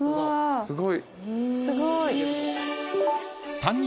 すごい。